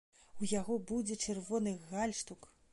У яго будзе чырвоны гальштук.